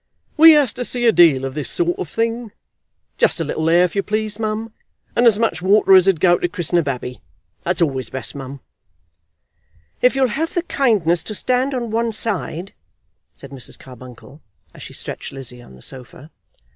We has to see a deal of this sort of thing. Just a little air, if you please, mum, and as much water as'd go to christen a babby. That's always best, mum." "If you'll have the kindness to stand on one side," said Mrs. Carbuncle, as she stretched Lizzie on the sofa.